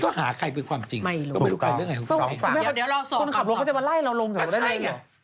ต้องหาใครเป็นความจริงไม่รู้ต้องฝากคนขับลงเขาจะมาไล่เราลงจากที่ไหนเหรอ